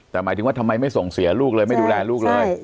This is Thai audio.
แต่หมายถึงว่าทำไมไม่ส่งเสียลูกเลยไม่ดูแลลูกเลย